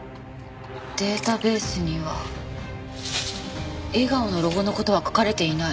データベースには笑顔のロゴの事は書かれていない。